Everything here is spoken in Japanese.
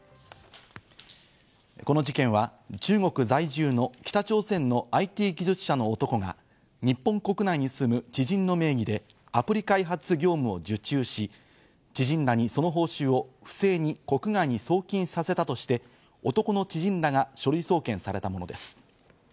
この事件は中国在住の北朝鮮のＩＴ技術者の男が日本国内に住む知人の名義でアプリ開発業務を受注し、知人らにその報酬を不正に国外に送金させたとして、男の知人らが書類送検されたものです。